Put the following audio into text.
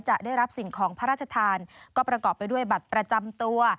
จะได้รับสิ่งของพระราชทานก็ประกอบไปด้วยบัตรประจำตัว